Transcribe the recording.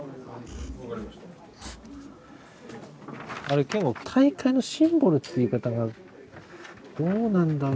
あれ健悟「大会のシンボル」って言い方がどうなんだろうなぁという。